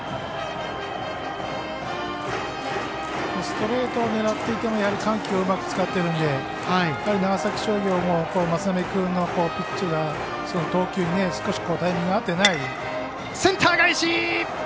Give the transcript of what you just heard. ストレートを狙っていてもやはり緩急をうまく使ってるんで長崎商業も、松波君のピッチングや投球に少しタイミングが合ってない。